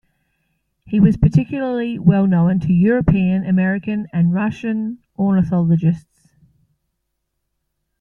He was particularly well-known to European, American and Russian ornithologists.